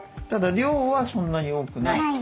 ただ量はそんなに多くない。